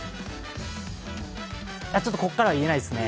ちょっと、ここからは言えないですね。